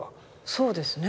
そうですね。